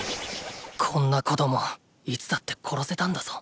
こんな子供いつだって殺せたんだぞ。